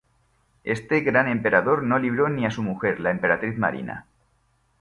Este gran emperador no libró ni a su mujer, la emperatriz Marina.